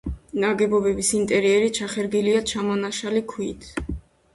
ნაგებობის ინტერიერი ჩახერგილია ჩამონაშალი ქვით.